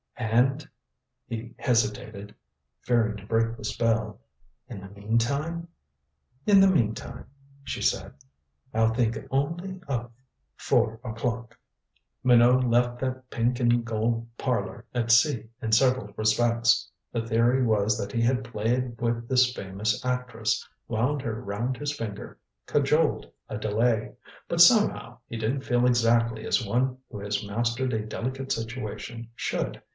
"And " he hesitated, fearing to break the spell. "In the meantime " "In the meantime," she said, "I'll think only of four o'clock." Minot left that pink and gold parlor at sea in several respects. The theory was that he had played with this famous actress wound her round his finger cajoled a delay. But somehow he didn't feel exactly as one who has mastered a delicate situation should.